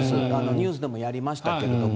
ニュースでもやりましたけれども。